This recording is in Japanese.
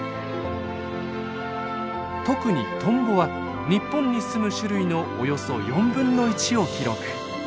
特にトンボは日本にすむ種類のおよそ４分の１を記録。